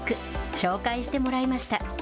紹介してもらいました。